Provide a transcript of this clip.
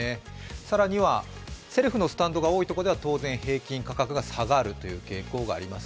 更にはセルフのスタンドが多いところでは当然、平均価格が下がる傾向があります。